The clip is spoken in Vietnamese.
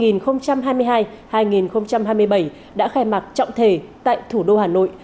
năm hai nghìn hai mươi hai hai nghìn hai mươi bảy đã khai mạc trọng thể tại thủ đô hà nội